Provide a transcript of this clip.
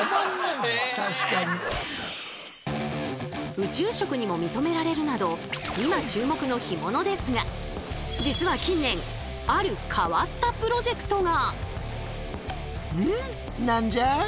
宇宙食にも認められるなど実は近年ある変わったプロジェクトが！